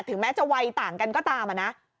แม้จะวัยต่างกันก็ตามอะนะ